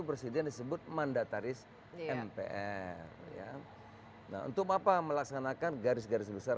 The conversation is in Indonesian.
presiden disebut mandataris mpr ya nah untuk apa melaksanakan garis garis besar